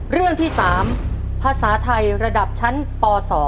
เรื่องที่๓ภาษาไทยระดับชั้นป๒